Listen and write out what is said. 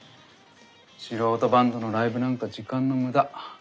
素人バンドのライブなんか時間の無駄。